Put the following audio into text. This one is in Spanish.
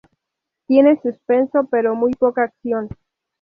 Tiene suspenso, pero muy poca acción.